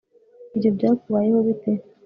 Ibyo byakubayeho bite